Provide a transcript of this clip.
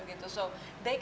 mereka bisa ambil semuanya